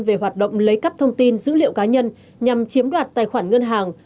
về hoạt động lấy cắp thông tin dữ liệu cá nhân nhằm chiếm đoạt tài khoản ngân hàng